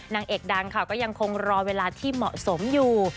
นางเอกดังค่ะก็ยังคงรอเวลาที่เหมาะสมอยู่